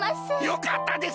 よかったです。